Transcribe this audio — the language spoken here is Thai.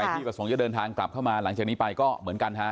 ที่ประสงค์จะเดินทางกลับเข้ามาหลังจากนี้ไปก็เหมือนกันฮะ